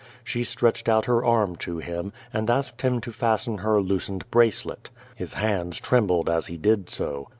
She stretched out her arm to him, and asked him to fasten her loosened bracelet. His hands trembled as he did so.